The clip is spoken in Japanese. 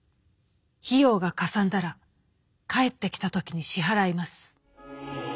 費用がかさんだら帰ってきた時に支払います』」。